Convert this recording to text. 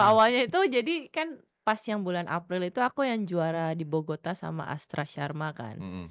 awalnya itu jadi kan pas yang bulan april itu aku yang juara di bogota sama astra sharma kan